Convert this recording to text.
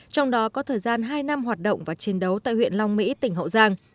trong đó có thời gian hai năm hoạt động và chiến đấu tại huyện long mỹ tỉnh hậu giang